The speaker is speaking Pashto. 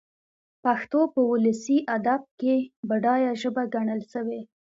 پښتو په اولسي ادب کښي بډايه ژبه ګڼل سوې.